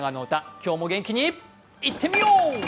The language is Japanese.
今日も元気にいってみよう！